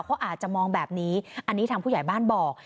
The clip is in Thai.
เขาอาจจะมองแบบนี้อันนี้ทางผู้ใหญ่บ้านบอก